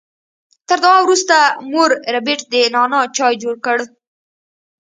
تر دعا وروسته مور ربیټ د نعنا چای جوړ کړ